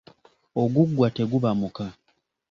Oguggwa teguba muka.